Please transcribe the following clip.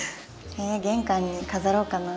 玄関に飾ろうかな。